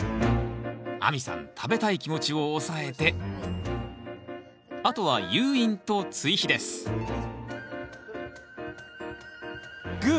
亜美さん食べたい気持ちを抑えてあとは誘引と追肥ですグー！